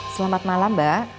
selamat malam mbak